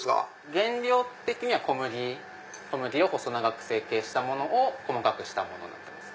原料的には小麦を細長く成形したものを細かくしたものになってます。